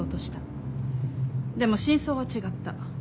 でも真相は違った。